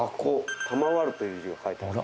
「賜」という字が書いてあります。